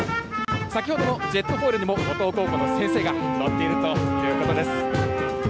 先ほどのジェットフォイルにも五島高校の先生が乗っているということです。